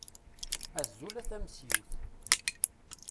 Azul a Tamsiwt.